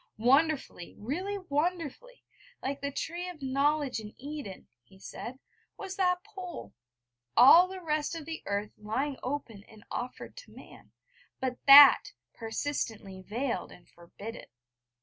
Wonderfully really wonderfully like the Tree of Knowledge in Eden, he said, was that Pole: all the rest of earth lying open and offered to man but That persistently veiled and 'forbidden.'